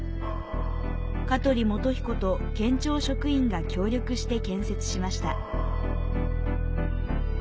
楫取素彦と県庁職員が協力して建設しました。